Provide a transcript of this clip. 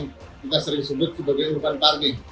kita sering sebut sebagai urban partik